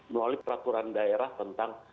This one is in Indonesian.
melalui peraturan daerah tentang